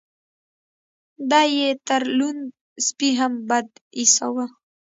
دی يې تر لوند سپي هم بد ايساوه.